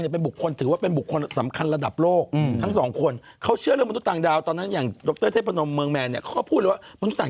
เหมือนดรเทปพานมเมิงแมน